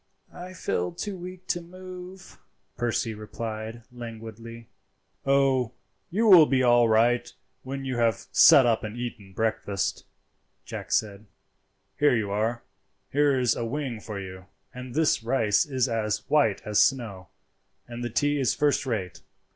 "I feel too weak to move," Percy replied languidly. "Oh, you will be all right when you have sat up and eaten breakfast," Jack said "Here you are; here is a wing for you, and this rice is as white as snow, and the tea is first rate.